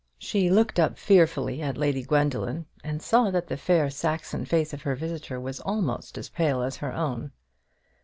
She looked up fearfully at Lady Gwendoline, and saw that the fair Saxon face of her visitor was almost as pale as her own.